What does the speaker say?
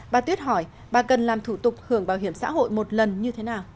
bà tuyết hỏi bà cần làm thủ tục hưởng bảo hiểm xã hội một lần như thế nào